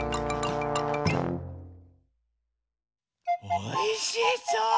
おいしそう！